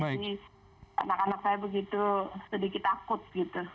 jadi anak anak saya begitu sedikit takut gitu